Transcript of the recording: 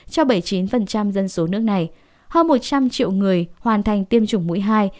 cho bảy mươi chín dân số nước này hơn một trăm linh triệu người hoàn thành tiêm chủng mũi hai